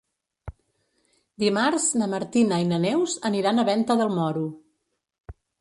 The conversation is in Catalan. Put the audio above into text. Dimarts na Martina i na Neus aniran a Venta del Moro.